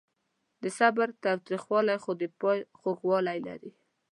د صبر تریخوالی خو د پای خوږوالی لري.